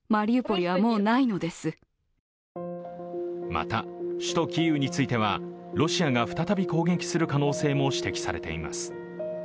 また首都キーウについては、ロシアが再び攻撃する可能性も指摘されています。